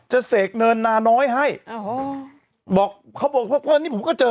เสกเนินนาน้อยให้อ๋อบอกเขาบอกว่านี่ผมก็เจอ